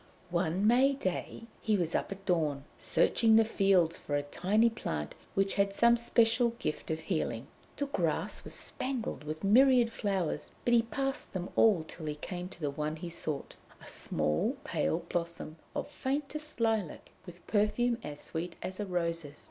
One Mayday he was up at dawn, searching the fields for a tiny plant which had some special gift of healing. The grass was spangled with myriad flowers, but he passed them all till he came to the one he sought a small pale blossom of faintest lilac, with perfume as sweet as a rose's.